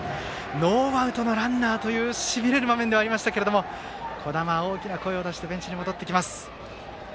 ノーアウトのランナーというしびれる場面でしたが児玉、大きな声を出してベンチへ戻っていきます。